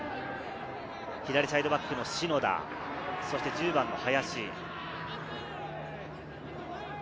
左サイドバックの篠田、そして１０番の林。